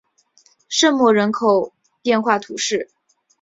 圣莫人口变化图示